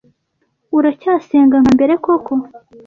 uracyasenga nka mbere koko